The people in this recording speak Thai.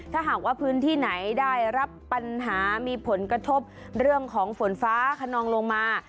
ถ้าหากว่าพื้นที่ไหนได้รับปัญหามีผลกระทบเรื่องของฝนฟ้าขนองลงมา